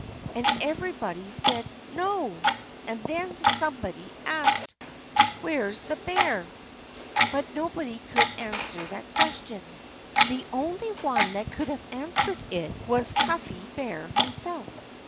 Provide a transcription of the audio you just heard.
And everybody said, "No!" And then somebody asked, "Where's the bear?" But nobody could answer that question. The only one that could have answered it was Cuffy Bear himself.